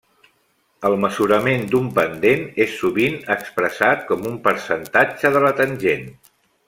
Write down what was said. El mesurament d'un pendent és sovint expressat com un percentatge de la tangent.